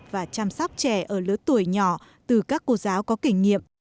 và chăm sóc trẻ ở lứa tuổi nhỏ từ các cô giáo có kinh nghiệm